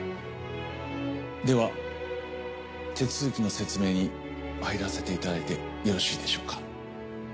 では手続きの説明に入らせていただいてよろしいでしょうか？